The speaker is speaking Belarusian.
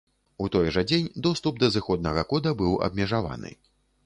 У той жа дзень, доступ да зыходнага кода быў абмежаваны.